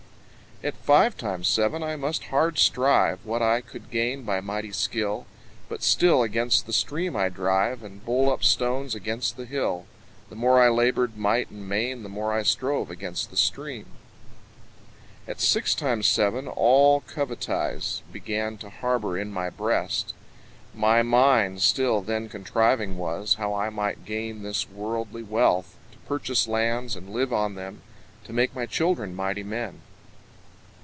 At five times seven I must hard strive, What I could gain by mighty skill; But still against the stream I drive, And bowl up stones against the hill; The more I laboured might and main, The more I strove against the stream. At six times seven all covetise Began to harbour in my breast; My mind still then contriving was How I might gain this worldly wealth; To purchase lands and live on them, So make my children mighty men.